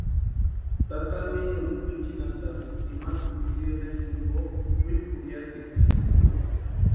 Tata niñuni kwʼinchinhantasïnti ima kutsï enero jimpo, kwimu jurhiatikwa isï.